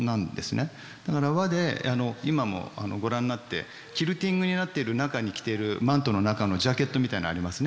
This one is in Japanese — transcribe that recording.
だから和で今も御覧になってキルティングになっている中に着ているマントの中のジャケットみたいなのありますね